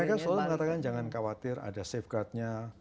mereka seolah mengatakan jangan khawatir ada safeguardnya